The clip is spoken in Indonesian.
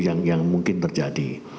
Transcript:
yang mungkin terjadi